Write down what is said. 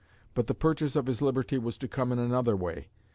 But the purchase of his liberty was to come in another way.